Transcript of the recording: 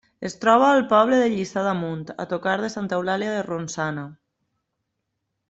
Es troba al poble de Lliçà d'Amunt, a tocar de Santa Eulàlia de Ronçana.